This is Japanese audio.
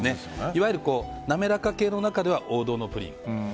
いわゆるなめらか系の中では王道のプリン。